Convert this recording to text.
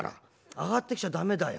上がってきちゃ駄目だよ